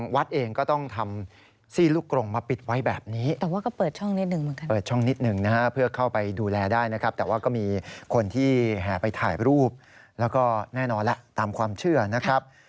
แล้วก็แน่นอนแล้วตามความเชื่อนะครับ